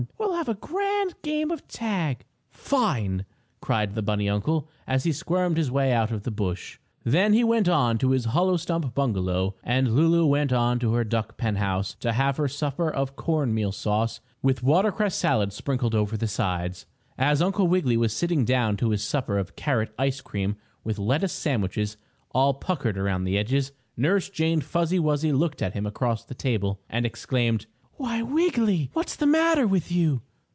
We'll have a grand game of tag!" "Fine!" cried the bunny uncle, as he squirmed his way out of the bush. Then he went on to his hollow stump bungalow, and Lulu went on to her duck pen house to have her supper of corn meal sauce with watercress salad sprinkled over the sides. As Uncle Wiggily was sitting down to his supper of carrot ice cream with lettuce sandwiches all puckered around the edges, Nurse Jane Fuzzy Wuzzy looked at him across the table, and exclaimed: "Why, Wiggy! What's the matter with you?"